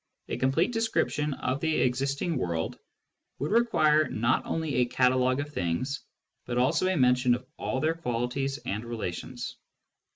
A complete description of the existing world would require not only a catalogue of the things, but also a mention of all their qualities and rela tions.